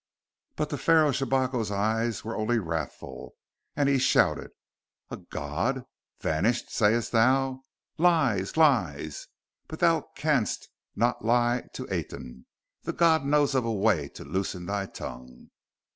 But the Pharaoh Shabako's eyes were only wrathful, and he shouted: "A god? Vanished, sayest thou? Lies! Lies! But thou canst not lie to Aten! The God knows of a way to loosen thy tongue!"